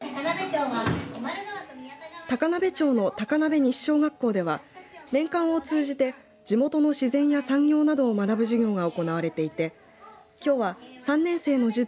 高鍋町の高鍋西小学校では年間を通じて地元の自然や産業などを学ぶ授業が行われていてきょうは３年生の児童